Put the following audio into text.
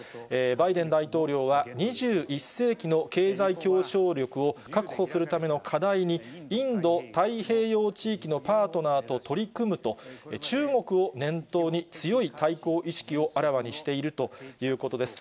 バイデン大統領は、２１世紀の経済競争力を確保するための課題に、インド太平洋地域のパートナーと取り組むと、中国を念頭に強い対抗意識をあらわにしているということです。